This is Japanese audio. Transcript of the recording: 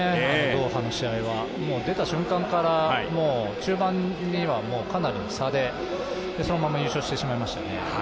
ドーハの試合は、出た瞬間から中盤にはもうかなりの差でそのまま優勝してしまいましたね。